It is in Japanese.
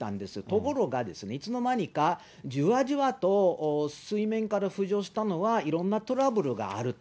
ところが、いつの間にかじわじわと、水面下で浮上したのは、いろんなトラブルがあると。